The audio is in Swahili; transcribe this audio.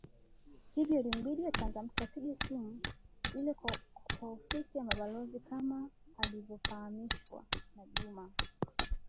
Hivyo, ilimbidi achangamke apige simu ile kwa ofisi ya balozi kama alivyofahamishwa na Juma